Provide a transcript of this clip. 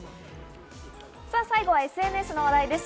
最後はＳＮＳの話題です。